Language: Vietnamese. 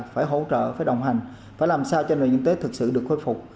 phải hỗ trợ phải đồng hành phải làm sao cho nội dung tế thực sự được khôi phục